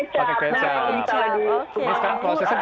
itu nasi goreng jangan jangan kosong lah gitu